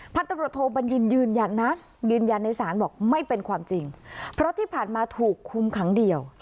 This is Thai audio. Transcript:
พันธุ์ตำรวจโทบัญญินยืนยันในสารบอกว่าไม่เป็นความจริงเพราะที่ผ่านมาถูกคุมครั้งเดียว